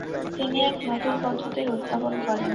তিনি এক নতুন পদ্ধতির উদ্ভাবন করেন।